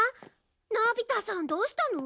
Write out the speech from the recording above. のび太さんどうしたの？